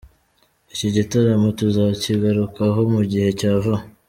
Iki gitaramo tuzakigarukaho mu gihe cya vuba.